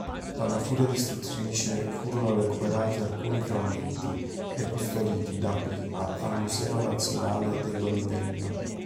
Dalla furia distruttrice furono recuperati alcuni frammenti e custoditi dapprima al Museo Nazionale dell'Olivella.